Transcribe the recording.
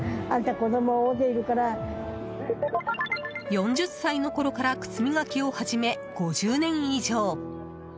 ４０歳のころから靴磨きを始め５０年以上。